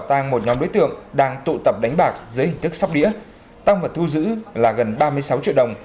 tăng một nhóm đối tượng đang tụ tập đánh bạc dưới hình thức sóc đĩa tăng vật thu giữ là gần ba mươi sáu triệu đồng